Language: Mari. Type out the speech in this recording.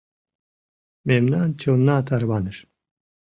Мемнан чонна тарваныш.